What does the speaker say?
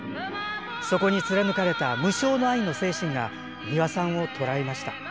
そこに貫かれた無償の愛の精神が美輪さんをとらえました。